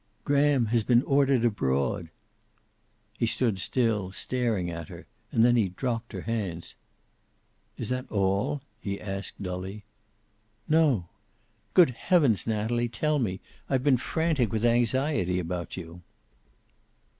"Graham has been ordered abroad." He stood still, staring at her, and then he dropped her hands. "Is that all?" he asked, dully. "No." "Good heavens, Natalie! Tell me. I've been frantic with anxiety about you."